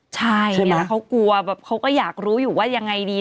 ใช่เวลาเขากลัวแบบเขาก็อยากรู้อยู่ว่ายังไงดี